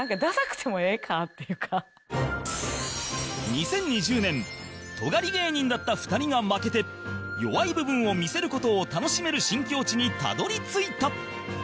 ２０２０年トガり芸人だった２人が負けて弱い部分を見せる事を楽しめる新境地にたどり着いた